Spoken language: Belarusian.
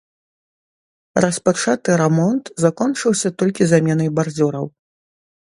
Распачаты рамонт закончыўся толькі заменай бардзюраў.